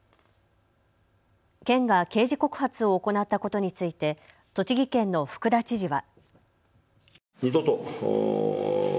県が刑事告発を行ったことについて栃木県の福田知事は。